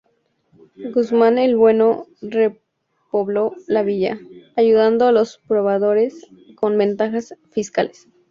Guzmán el Bueno repobló la villa, ayudando a los repobladores con ventajas fiscales.